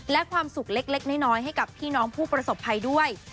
และความสุขเล็กน้อยให้กับพี่น้องผู้ประสบภัยด้วย